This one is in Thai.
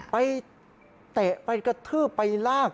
เตะไปกระทืบไปลาก